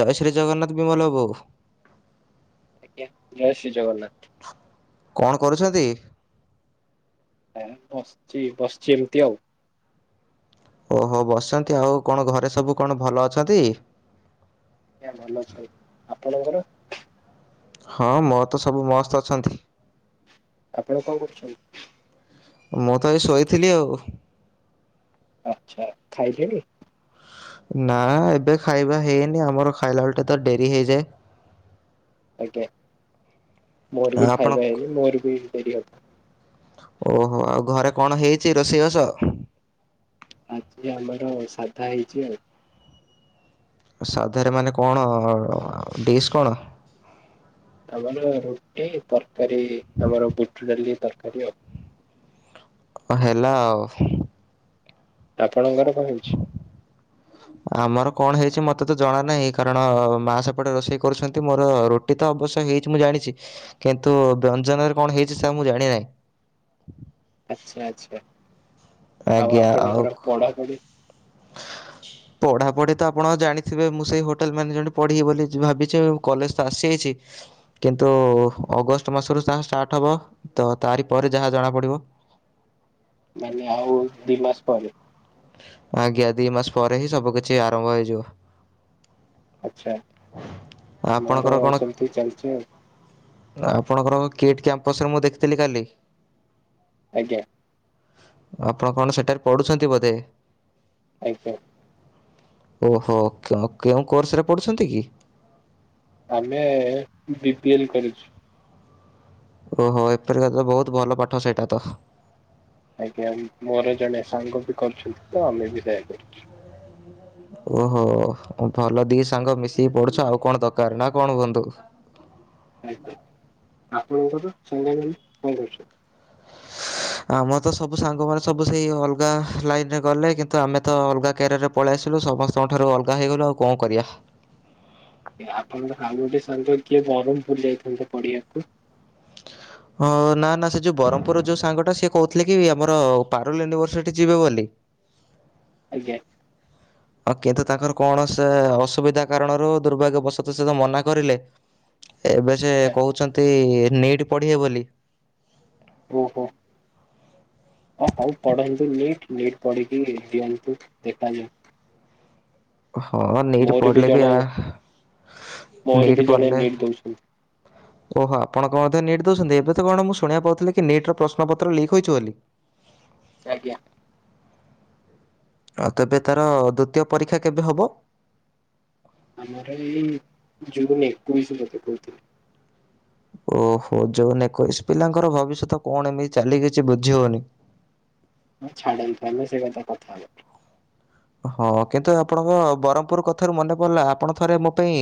ଜୟ ଶ୍ରୀ ଜଗନ୍ନାଥ ବିମଲ ବାବୁ। ଆଜ୍ଞା ଜୟ ଶ୍ରୀ ଜଗନ୍ନାଥ। କଣ କରୁଛନ୍ତି? ଏ ବସିଛି ବସିଛି ଏମତି ଆଉ ଓହୋ ବସିଛନ୍ତି ଆଉ କଣ ଘରେ ସବୁ କଣ ଭଲ ଅଛନ୍ତି। ଆଜ୍ଞା ଭଲ ଅଛନ୍ତି ଆପଣଙ୍କର। ହଁ ମୋର ତ ସବୁ ମସ୍ତ ଅଛନ୍ତି। ଆପଣ କଣ କରୁଛନ୍ତି? ମୁଁ ତ ବି ଶୋଇଥିଲି ଆଉ ଆଚ୍ଛା ଖାଇଛ କି? ନା ଏବେ ଖାଇବା ହେଇନି ଆମର ଖାଇଲା ବେଳେ ତ ଡେରି ହେଇଯାଏ। ଆଜ୍ଞା ମୋର ଆଉ ବି ଆପଣ ଖାଇବା ହେଇନି ମୋର ବି ଡେରି ହବ। ଓହୋ ଆଉ ଘରେ କଣ ହେଇଛି ରୋଷେଇ ବାସ। ଆଜି ଆମର ସାଧା ହେଇଛି ଆଉ। ସାଧାରେ ମାନେ କଣ ଡିସ୍ କଣ? ଆମର ରୁଟି ତରକାରୀ, ତମର ବୁଟ ଡାଲି ତରକାରୀ ଆଉ। ଓ ହେଲା ଆଉ। ଆପଣଙ୍କର କଣ ହଉଛି? ଆମର କଣ ହେଇଛି ମତେ ତ ଜଣା ନାହିଁ କାରଣ ମା ସେପଟେ ରୋଷେଇ କରୁଛନ୍ତି ମୋର ରୁ ଟି ତ ଅବଶ୍ୟ ହେଇଛି ମୁଁ ଜାଣିଛି କିନ୍ତୁ ବ୍ୟଞ୍ଜନରେ କଣ ହେଇଛି ସେରା ମୁଁ ଜାଣିନାହିଁ। ଆଚ୍ଛା, ଆଚ୍ଛା। ଆଉ ଆଜ୍ଞା ଆଉ ଆପଣଙ୍କର କ ପଢାପଢି ପଢ଼ାପଢ଼ି ତ ଆପଣ ଜାଣିଥିବେ ମୁଁ ସେଇ ହୋଟେଲ ମ୍ୟାନେଜେଣ୍ଟ ପଢ଼ିବି ବୋଲି ଭାବିଛି, ମୁ କଲେଜ ତ ଆସିଯାଇଛି। କିନ୍ତୁ ଅଗଷ୍ଟ ମାସରୁ ଯହା ଷ୍ଟାର୍ଟ ହେବ ତ ତାରି ପରେ ଯାହା ଜଣାପଡ଼ିବ। ମାନେ ଆଉ ଦି ମାସ ପରେ? ଆଜ୍ଞା ଦି ମାସ ପରେ ହିଁ ସବୁ କିିଛି ଆରମ୍ଭ ହେଇଯିବ। ଆଚ୍ଛା। ମୋର ଆପଣଙ୍କର କଣ ସେମିତି ଚାଲିଛି ଆଉ ଆପଣଙ୍କର କିଟ୍ କ୍ୟାମ୍ପସରେ ମୁଁ ଦେଖିଥିଲି କାଲି ଆଜ୍ଞା। ଆପଣ କଣ ସେଠାରେ ପଢ଼ୁଛନ୍ତି ବୋଧେ? ଆଜ୍ଞା। ଓହୋ କେ କେଉଁ କୋର୍ସ ରେ ପଢୁଛନ୍ତି କି? ଆମେ ବିିବି ଏଲ କରିଛୁ। ଓହୋ ଏପରି କ ବହୁତ ଭଲ ପାଠ ସେଇଟା ତ। ଆଜ୍ଞା ମୋର ଜଣେ ସାଙ୍ଗ ବି କରୁଛନ୍ତି ତ ଆମେ ବି ସେୟା କରୁଛୁ। ଓହୋ ଭଲ ଦି ସାଙ୍ଗ ମିଶିକି ପଡୁଛ ଆଉ କଣ ଦରକାର, ନା କଣ ହୁଅନ୍ତୁ? ଆଜ୍ଞା ଆପଣଙ୍କର ସାଙ୍ଗ ମାନେ କଣ କରୁଛନ୍ତି? ଆମର ତ ସବୁ ସାଙ୍ଗମାନେ ସବୁ ସେଇ ଅଲଗା ଲାଇନରେ ଗଲେ କିନ୍ତୁ ଆମେ ତ ଅଲଗା କ୍ୟାରିୟରରେ ପଳେଇ ଆସିଲୁ ସମସ୍ତଙ୍କଠାରୁ ଅଲଗା ହୋଇଇଗଲୁ ଆଉ କଣ କରିବା। ଆପଣଙ୍କ ସାଙ୍ଗ ଗୋଟେ ସରଭର କିଏ ଗରମପୁର୍ ଯାଇଥାନ୍ତେ ପଢିବାକୁ? ହଁ ନା ନା ସେ ଯେଉଁ ବ୍ରହ୍ମପୁର ର ଯୋଉ ସାଙ୍ଗଟା ସିଏ କହୁଥିଲେ କି ଆମର ପାରଲ ୟୁନିଭର୍ସିଟି ଯିବେ ବୋଲି। ଆଜ୍ଞା। ଓ କିନ୍ତୁ ତାଙ୍କର କଣ ସେ ଅସୁବିଧା କାରଣରୁ ଦୁର୍ଭାଗ୍ୟ ବଶତ ସେତ ମନା କରିଲେ? ଏବେ ସେ ଆଚ୍ଛା। କହୁଛନ୍ତି ନିଟ୍ ପଢିବେ ବୋଲି। ଓହୋ ହ ହଉ ପଢନ୍ତୁ ନିଟ୍ ନିଟ୍ ପଢିକି ଦିଅନ୍ତୁ ଦେଖାଯାଉ। ହଁ ନିଟ୍ ମୋର ବି ପଢିଲେ ଜଣେ ଆ ମୋର ନିଟ୍ ବି ଜଣେ ପଢିଲେ ନିଟ୍ ଦଉଛନ୍ତି। ଓହୋ ଆପଣଙ୍କଣ ମଧ୍ୟ ନିଟ୍ ଦଉଛନ୍ତି ଏବେ ତ କଣ ମୁଁ ଶୁଣିବା ପାଉଥିଲ କି ନଟ ର ପ୍ରଶ୍ନପତ୍ର ଲିକ୍ ହୋଇଛି ବୋଲି। ଆଜ୍ଞା। ଆଉ ତେବେ ତାର ଦ୍ୱୀତୀୟ ପରୀକ୍ଷା କେବେ ହେବ? ଆମର ଏଇ ଜୁନ ଏକୋଇଶି ବୋଧେ କହୁଥିଲେ। ଓହୋ ଜୁନ୍ ଏକୋଇଶ ପିଲାଙ୍କର ଭବିଷ୍ୟତ କଣ ଏମିତି ଚାଲି କିଛି ବୁଝି ହଉନି। ଛାଡନ୍ତୁ ଆମେ ସେ କଥା କଥା ହେବା। ହଁ କିନ୍ତୁ ଆପଣଙ୍କ ବ୍ରହ୍ମପୁର କଥାରୁ ମନେ ପଡିଲା ଆପଣ ଥରେ ମୋ ପାଇଁ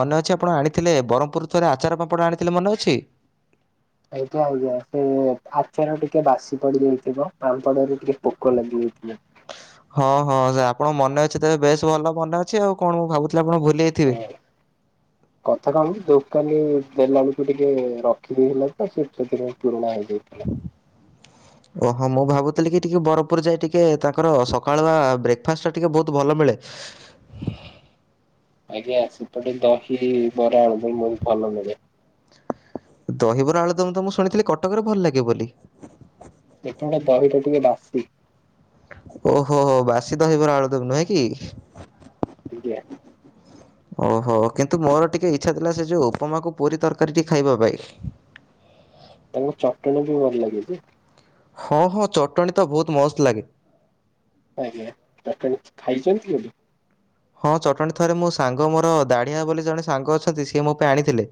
ମନେ ଅଛି ଆପଣ ଆଣିଥିଲେ ବ୍ରହ୍ମପୁରର ଆଚାର ପାମ୍ପଡ଼ ଆଣିଥିଲେ ମନେ ଅଛି? ଆଜ୍ଞା ଆଜ୍ଞା ସେ ଆଚାର ଟିକେ ବାସି ପଡିଯାଇଥିବ, ପାମ୍ପଡରେ ଟିକେ ପୋକ ଲାଗିଯାଇଥିବ। ହଁ, ହଁ, ସେ ଆପଣ ମନେ ଅଛି ତେବେ ବେଶ ଭଲ ମନେ ଅଛି, ଆଉ କଣ ମୁଁ ଭାବୁଥିଲି ଆପଣ ଭୁଲି ଯାଇଥିବେ। ହଁ କଥା କଣକି ଦୋକାନୀ ଦେଲା ବେଳକୁ ଟିକେ ରଖିଦେଇଥିଲା ତ ସେ ସେଥିପାଇଁ ପୁରୁଣା ହେଇଯାଇଥିଲା। ଓହୋ ମୁଁ ଭାବୁଥିଲି କି ଟିକେ ବରପୁର ଯାଇ ଟିକେ ତାଙ୍କର ସକାଳୁ ଆ ବ୍ରେକ୍ ଫାଷ୍ଟଟା ଟିକିଏ ବହୁତ ଭଲ ମିଳେ। ଆଜ୍ଞା ସେପଟେ ଦହି ବରା ଆଳୁଦମ ବହୁତ ଭଲ ମିଳେ। ଦହିବରା ଆଳୁଦମ ତ ମୁଁ ଶୁଣିଥିଲି କଟକରେ ଭଲ ଲାଗେ ବୋଲି। ସେଠାର ଦହିଟା ଟିକେ ବାସି। ଓହୋ ହୋ ବାସି ଦହିବାର ଆଳୁ ଦମ ନାହିଁ କି। ଆଜ୍ଞା। ଓହୋ କିନ୍ତୁ ମୋର ଟିକେ ଇଚ୍ଛା ଥିଲା ସେ ଜଉ ଉପମାକୁ ପୁରୀ ତରକାରୀଟି ଖାଇବା ପାଇଁ। ତାଙ୍କୁ ଚଟଣି ବି ଭଲ ଲାଗୁଚି। ହଁ, ହଁ ଚଟଣି ତ ବହୁତ ମସ୍ତ ଲାଗେ। ଆଜ୍ଞା ଆପଣ ଖାଇଛନ୍ତି କେବେ। ହଁ ଚଟଣୀ ଥରେ ମୋ ସାଙ୍ଗ ମୋର ଦାଢ଼ିଆ ବୋଲି ଜଣେ ସାଙ୍ଗ ଅଛନ୍ତି ସିଏ ମୋ ପାଇଁ ଆଣିଥିଲେ।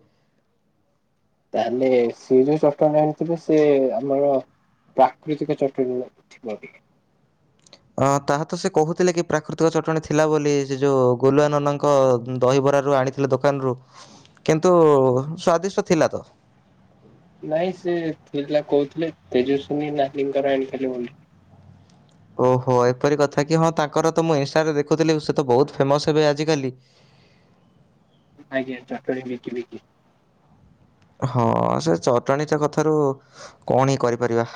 ତାହେଲେ ସିଏ ଯୋଉ ଚଟଣ ଆଣିଥିଲେ ସେ ଆମର ପ୍ରାକୃତିକ ଚଟଣି ଥିବ ତେ। ଅଁ ତାହା ତ ସେ କହୁଥିଲେ କି ପ୍ରାକୃତିକ ଚଟଣିୀ ଥିଲା ବୋଲି ସେ ଯଉ ଗୋଲୁଆ ନନାଙ୍କ ଦହିବରା ଜଉ ଆଣି ଦୋକାନରୁ କିନ୍ତୁ ସ୍ଵାଦିଷ୍ଟ ଥିଲା ତ। ନାଇଁ ସେ ଠେଜା କହୁଥିଲେ ତେଜସ୍ଵିନୀ ନାଲିଙ୍କର ଆଣିଥିଲେ ବୋଲି। ଓହୋ ଏପରି କଥା କି ହଁ ତାଙ୍କର ତ ମୁଁ ଇନଷ୍ଟାରେ ଦେଖୁଥିଲି ସେ ତ ବହୁତ ଫେମସ ହେବେ ଆଜିକାଲି। ଆଜ୍ଞା ଚଟଣି ବିକି ବିକି। ହଁ ସେ ଚଟଣୀ ତ କଥାରୁ କଣ ହିଁ କରିପାରିବା।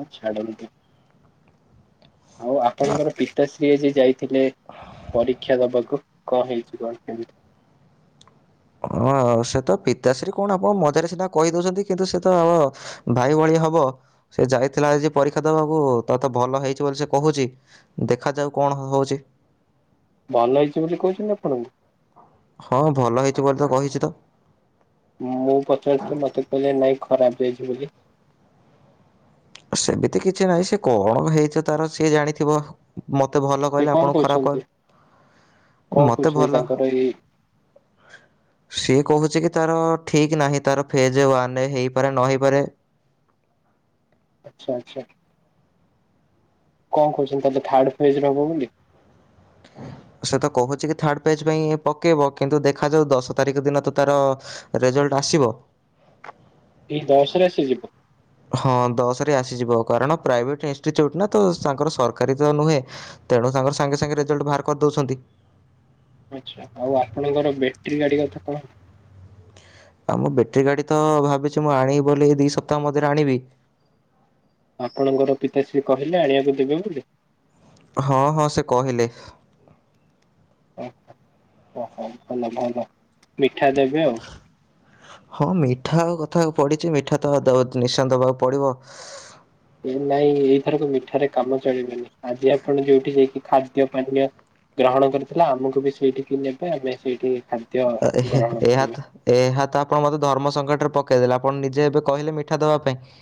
ହଁ ଛାଡନ୍ତୁ ଆଉ ଆପଣଙ୍କର ପିତାଶ୍ରୀ ଆଜି ଯାଇ ଥିଲେ ପରୀକ୍ଷା ଦବାକୁ କଣ ହେଇଛି କଣ କେମିତି। ହଁ ସେ ତ ପିତାଶ୍ରୀ କଣ ଆପଣ ମଜାରେ ସିନା କହିଦଉଛନ୍ତି କିନ୍ତୁ ସେ ତ ଅ ଭାଇ ଭଳିଆ ହବ ସେ ଯାଇଥିଲା ଆଜି ପରୀକ୍ଷା ଦବାକୁ ତାର ତ ଭଲ ହେଇଛି ବୋଲି ସେ କହୁଛି। ଦେଖାଯାଉ କଣ ହଉଛି। ଭଲ ହେଇଛି ବୋଲି କହୁଛନ୍ତି ଆପଣଙ୍କୁ। ହଁ ଭଲ ହେଇଥିବ ବୋଲି ତ କହିଛି ତ। ମୁଁ ପଚାରିଥିଲି ମତେ କହିଲେ ନାଇଁ ଖରାପ ହେଇଛି ବୋଲି। ସେମିତି କିଛି ନାହିଁ ସେ କଣ ହେଇଛି ତାର ସିଏ ଜାଣିଥିବ। ମତେ ଭଲ ସେ କହିଲେ କଣ ଆପଣଙ୍କୁ ଖରାପ କହୁଛନ୍ତି କଣ କହିଲେ ମତେ କହୁଛନ୍ତି ଭଲ। ତାଙ୍କର [inaudible] ସିଏ କହୁଛି କି ତାର ଠିକ୍ ନାହିଁ ତାର ଫେଜ୍ ୱାନ୍ ହେଇପାରେ ନ ହେଇପାରେ। ଆଚ୍ଛା ଆଚ୍ଛା। କଣ କହୁଛନ୍ତି ତାହେଲେ ଥାର୍ଡ଼ ଫେଜରେ ହବ ବୋଲି। ସେ ତ କହୁଛି କି ଥାର୍ଡ ପେଜ ପାଇଁ ପକେଇବ କିନ୍ତୁ ଦେଖାଯାଉ ଦଶ ତାରିଖ ଦିନ ତ ତାର ରେଜଲ୍ଟ ଆସିବ। ଏଇ ଦଶରେ ଆସି ଯିବ। ହଁ ଦଶରେ ଆସିଯିବ କାରଣ ପ୍ରାଇଭେଟ୍ ଇନଷ୍ଟିଚ୍ୟୁଟ୍ ନା ତ ତାଙ୍କର ସରକାରୀ ତ ନୁହେଁ। ତେଣୁ ତାଙ୍କର ସାଙ୍ଗେ ସାଙ୍ଗେ ରେଜଲ୍ଟ ବାହାର କରିଦଉଛନ୍ତି। ଆଚ୍ଛା ଆଉ ଆପଣଙ୍କର ବେଟିରୀ ଗାଡି କଥା କଣ? ଆଉ ମୁଁ ବେଟିରୀ ଗାଡ଼ି ତ ଭାବିଛି ମୁଁ ଆଣିବି ବୋଲି ଦୁଇ ସପ୍ତାହ ମଧ୍ୟରେ ଆଣିବି। ଆପଣଙ୍କର ପିତାଶ୍ରୀ କହିଲେ ଆଣିବାକୁ ଦେବେ ବୋଲି। ହଁ, ହଁ ସେ କହିଲେ। ଓହୋ ଓହୋ ଭଲ ଭଲ ମିଠା ଦେବେ ଆଉ। ହଁ ମିଠା କଥା ପଡିିଛି ମିଠା ତ ନିଶ୍ଚୟ ଦବାକୁ ପଡିବ। ଏ ନାଇଁ ଏଇଥରକ ମିଠାରେ କାମ ଚଳିବନି ଆଜି ଆପଣ ଯଉଠି ଯାଇକି ଖାଦ୍ୟ ପାନୀୟ ଗ୍ରହଣ କରିଥିଲା ଆମକୁ ବି ସେଇଠିକି ନେବେ ଆମେ ସେଇଠି ଖା ଏ ହେ ଏହା ତ। ଏହା ତ ଆପଣ ମତେ ଧର୍ମ ସଙ୍କଟରେ ପକେଇଦେଲେ। ଆପଣ ନିଜେ ଏବେ କହିଲେ ମିଠା ଦବା ପାଇଁ।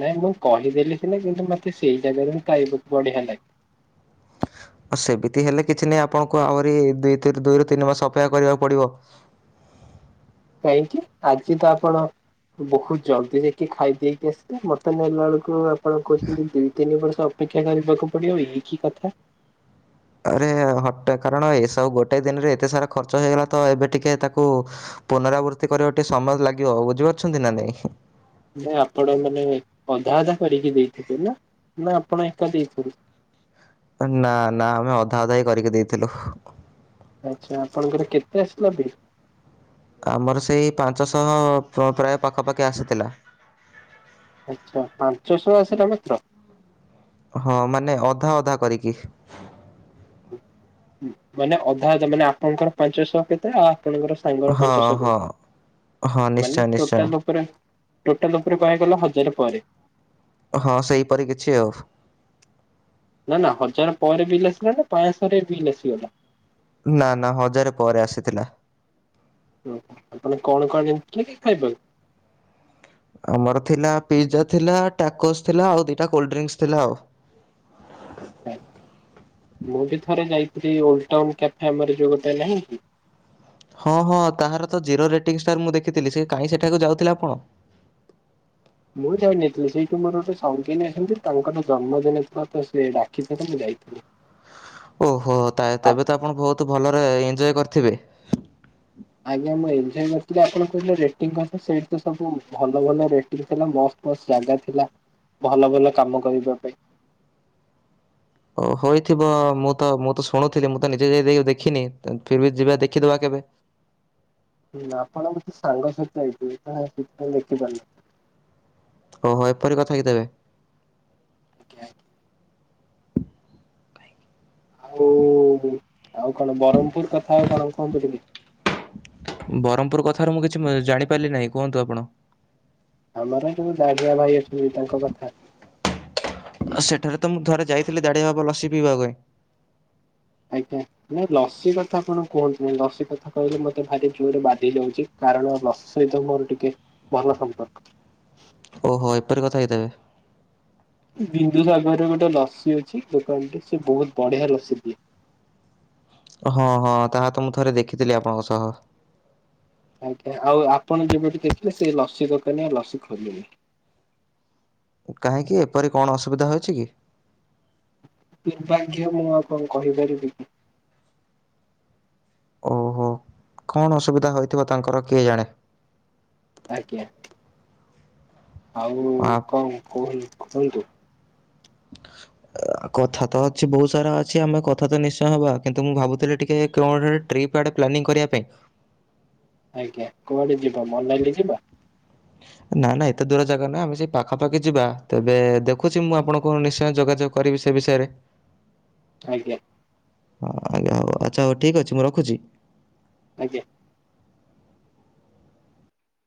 ନାଇଁ ମୁଁ କହିଦେଲି ସିନା କିନ୍ତୁ ମତେ ସେଇ ଜାଗାରେ ମୁଁ ଖାଇବାକୁ ବଢିଆ ଲାଗେ। ସେମିତି ହେଲେ କିଛି ନାହିଁ ଆପଣଙ୍କୁ ଆହୁରି ଦୁଇ ତିନ ଦୁଇରୁ ତିନି ମାସ ଅପେକ୍ଷା କରିବାକୁ ପଡିବ। କାହିଁକି ଆଜି ତ ଆପଣ ବହୁତ ଜଲ୍ଦି ଯାଇକି ଖାଇଦେଇକି ଆସେ ମଟନ ହେଲା ବେଳକୁ ଆପଣ କହୁଛନ୍ତି ଦି ତିନି ବର୍ଷ ଅପେକ୍ଷା କରିବାକୁ ପଡିବ ଇଏ କି କଥା। ଆରେ ହଟାତ୍ କାରଣ ଏସବୁ ଗୋଟେ ଦିନରେ ଏତେ ସାରା ଖର୍ଚ୍ଚ ହେଇଗଲା। ତ ଏବେ ଟିକେ ତାକୁ ପୁନରାବୃତ୍ତି କରିବା ଟିକେ ସମୟ ଲାଗିବ ବୁଝିପାରୁଛନ୍ତି ନା ନାଇଁ? ନା ଆପଣ ମାନେ ଅଧା ଅଧା କରିକି ଦେଇଥିବେ ନା ଆପଣ ଏକା ଦେଇଥିବେ। ନା ନା ଆମେ ଅଧା ଅଧା ହିଁ କରିକି ଦେଇଥିଲୁ। ଆଚ୍ଛା ଆପଣଙ୍କର କେତେ ଆସିଲା ବିଲ୍? ଆମର ସେଇ ପାଞ୍ଚଶହ ପ୍ରାୟ ପାଖାପାଖି ଆସିଥିଲା। ଆଚ୍ଛା ପାଞ୍ଚ ଶହ ଆସିଲା ମାତ୍ର। ହଁ ମାନେ ଅଧା ଅଧା କରିକି। ମାନେ ଅଧା ଅଧା ମାନେ ଆପଣଙ୍କର ପାଞ୍ଚଶହ କେତେ ଆଉ ଆପଣଙ୍କର ସାଙ୍ଗର ହଁ ପାଞ୍ଚଶହ ହଁ କେତେ ହଁ ନିଶ୍ଚୟ ମାନେ ନିଶ୍ଚୟ। ଟୋଟାଲଉପରେ ଟୋଟାଲ ଉପରେ କୁହାଗଲା ହଜାର ପରେ। ହଁ ସେହିପରି କିଛି ଆଉ। ନା, ନା, ହଜାର ପରେ ବିଲ୍ ଆସିଲା ନା ପାଞ୍ଚଶହ ରେ ବିଲ୍ ଆସିଗଲା? ନା, ନା, ହଜାର ପରେ ଆସିଥିଲା। ଓ ଆପଣ କଣ କଣ ଜିନିସ କିଣି ଖାଇପାରନ୍ତୀ ଆମର ଥିଲା ପିଜା ଥିଲା ଟାକୋସ ଥିଲା ଆଉ ଦିଟା କୋଲ୍ଡ୍ରିଙ୍କସ ଥିଲା ଆଉ। ଛ ମୁଁ ବି ଥରେ ଯାଇଥିଲି ଓଲଡ ଟାଉନ୍ କ୍ୟାଫ ଆମର ଯୋଉ ନାହିଁ କି? ହଁ ହଁ ତାହାର ତ ଜିରୋ ରେଟିଂ ଷ୍ଟାର ମୁଁ ଦେଖିଥିଲି ସେ କାଇଁ ସେଠାକୁ ଯାଉଥିଲା ଆପଣ? ମୁଁ ଯାହା ନେଇଥିଲି ସେଇଠୁ ମୋର ଗୋଟେ ସଙ୍ଗିନୀ ଅଛନ୍ତି ତାଙ୍କର ଜନ୍ମଦିନ ଥିଲା ତ ସେ ଡାକିଥିଲେ ମୁଁ ଯାଇଥିଲି। ଓହୋ ତେବେ ତ ଆପଣ ବହୁତ ଭଲରେ ଏଞ୍ଜୟ କରିଥିବେ? ଆଜ୍ଞା ମୁଁ ଏବିଷୟ କରିଥିଲି ଆପଣ କହୁଥିଲେ ରେଟିଂ କଥା ସେଇଠୀ ତ ସବୁ ଭଲ ଭକ ରେଟିଂ ଥିଲା ମସ୍ତ ବସ୍ ଜାଗା ଥିଲା ଭଲ ଭଲ କାମ କରିବା ପାଇଁ। ଓ ହୋଇଥିବ ମୁଁ ତ ମୁଁ ତ ଶୁଣୁଥିଲି ମୁଁ ତ ନିଜେ ଯାଇ ଦେଇି ଦେଖିନି ଫିର ବି ଯିବା ଦେଖିଦବା କେବେ। ହୁଁ ନା ଆପଣ ମୋତେ ସାଙ୍ଗ ସହିତ ଯାଇଥିବେ ତାହା ସେଥିପାଇଁ ଦେଖିପାରୁନାହାଁନ୍ତି। ଓହୋ ଏପରି କଥାକି ତେବେ? [inaudible] ଆଉ ଆଉ କଣ ବ୍ରହ୍ମପୁର କଥା ଆଉ କଣ କୁହନ୍ତୁ ଟି ବ୍ରହ୍ମପୁର କଥାରୁ ମୁଁ କିଛି ଜାଣିପାରିଲି ନାହିଁ କୁହନ୍ତୁ ଆପଣ? ଆମର ଯୋଉ ଦାଡିଆ ଭାଇ ଅଛନ୍ତି ତାଙ୍କ କଥା। ଆ ସେଠାରେ ତ ମୁଁ ଧରେ ଯାଇଥିଲିାଢ ହବ ଲସି ପିଇବାକୁ। ଆଜ୍ଞା ନାଇଁ ଲସି କଥା କଣ କୁହନ୍ତୁନି, ନାଇଁ ଲସି କଥା କହିଲେ ମତେ ଭାରି ଜୋରରେ ବାଧି ଯାଉଛି। କାରଣ ଲସି ସହିତ ମୋର ଟିକେ ଭଲ ସମ୍ପର୍କ। ଓହୋ ଏପରି କଥା ହେଇଥେବେ। ବିନ୍ଦୁସାଗରରେ ଗୋଟେ ଲସି ଅଛି ଦୋକାନଟେ ସେ ବହୁତ ବଢିଆ ଲସି ଦିଏ। ହଁ, ହଁ, ତାହା ତ ମୁଁ ଥରେ ଦେଖିଥିଲି ଆପଣଙ୍କ ସହ। ଆଜ୍ଞା ଆଉ ଆପଣ ଯବେଠୁ ଦେଖିଲେ ସେ ଲସି ଦୋକାନୀ ଆଉ ଲସି ଖୋଲିନି। କାହିଁକି ଏପରି କଣ ଅସୁବିଧା ହୋଇଛି କି? ଦୁର୍ଭାଗ୍ୟ ମୁଁ ଆପଣଙ୍କୁ କହିପାରିବି କି। ଓହୋ କଣ ଅସୁବିଧା ହୋଇଥିବ ତାଙ୍କର କିଏ ଜାଣେ? ଆଜ୍ଞା। ଆଉ ଆ- କଣ କୁହନ୍ତୁ, କୁହନ୍ତୁ? କଥା ତ ଅଛି ବହୁତ ସାରା ଅଛି ଆମେ କଥା ତ ନିଶ୍ଚୟ ହେବା କିନ୍ତୁ ମୁଁ ଭାବୁଥିଲି ଟିକେ କ୍ଲନରେ ଟ୍ରିପ୍ ଆଡ଼େ ପ୍ଲାନିଙ୍ଗ କରିବା ପାଇଁ ଆଜ୍ଞା କୁଆଡେ ଯିବ ମନାଲି ଯିବା? ନା ନା ଏତେ ଦୂର ଜାଗା ନାହିଁ ଆମେ ସେ ପାଖାପାଖି ଯିବା ତେବେ ଦେଖୁଛି ମୁଁ ଆପଣଙ୍କୁ ନିଶ୍ଚୟ ଯୋଗାଯୋଗ କରିବି ସେ ବିଷୟରେ। ଥାଇକି ଆ ହଁ ଆଜ୍ଞା ହଉ ଆଚ୍ଛା ହଉ ଠିକ୍ ଅଛି ମୁଁ ରଖୁଛି ଆଜ୍ଞା